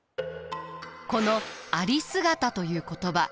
この有姿という言葉